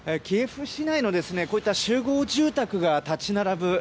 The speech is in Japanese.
キエフ市内のこういった集合住宅が立ち並ぶ